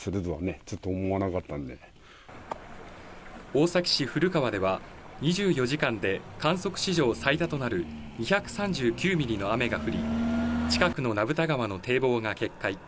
大崎市古川では２４時間で観測史上最多となる２３９ミリの雨が降り、近くの名蓋川の堤防が決壊。